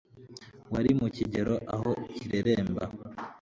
Wari mukigero aho kireremba